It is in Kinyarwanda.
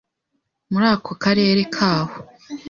muri ako karere kaho